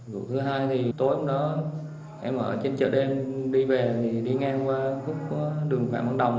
vụ thứ hai thì tối hôm đó em ở trên chợ đêm đi về thì đi ngang qua khúc đường phạm văn đồng